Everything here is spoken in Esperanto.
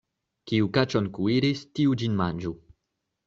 Kiu kaĉon kuiris, tiu ĝin manĝu.